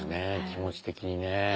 気持ち的にね。